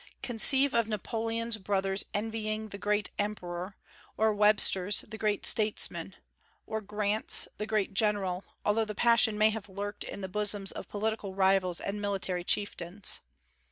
Conceive of Napoleon's brothers envying the great Emperor, or Webster's the great statesman, or Grant's the great general, although the passion may have lurked in the bosoms of political rivals and military chieftains.